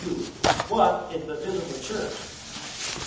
What is the visible church?